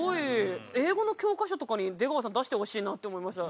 英語の教科書とかに出川さん出してほしいなって思いました。